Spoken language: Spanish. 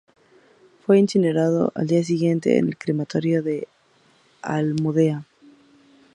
Fue incinerado al día siguiente en el Crematorio de la Almudena.